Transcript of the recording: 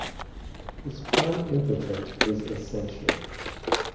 This prime implicant is "essential".